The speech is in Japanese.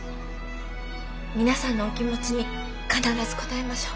皆さんのお気持ちに必ず応えましょう。